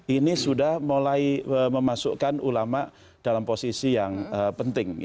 ini sudah mulai memasukkan ulama dalam posisi yang penting